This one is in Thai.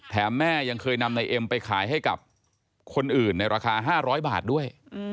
แม่ยังเคยนำนายเอ็มไปขายให้กับคนอื่นในราคา๕๐๐บาทด้วย